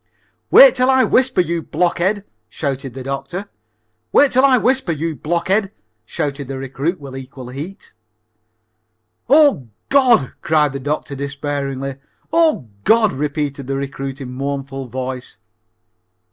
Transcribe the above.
"Wait till I whisper, you blockhead," shouted the doctor. "'Wait till I whisper, you blockhead,'" shouted the recruit with equal heat. "Oh, God!" cried the doctor despairingly. "'Oh, God!'" repeated the recruit in a mournful voice.